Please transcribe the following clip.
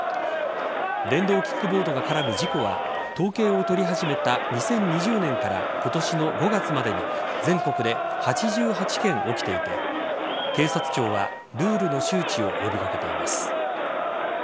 電動キックボードが絡む事故は統計を取り始めた２０２０年から今年の５月までに全国で８８件起きていて警察庁はルールの周知を呼び掛けています。